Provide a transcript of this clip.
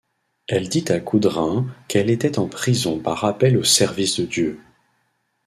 Elle dit à Coudrin qu'elle était en prison par appel au service de Dieu.